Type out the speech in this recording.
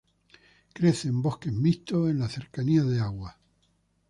Crece en bosque mixto en la cercanía de agua.